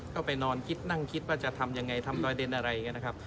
ก็ไปนอนคิดนั่งคิดว่าจะทำยังไงทำดอยเดนอะไรอย่างนี้นะครับ